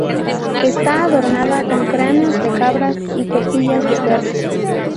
Está adornada con cráneos de cabras y costillas de perro.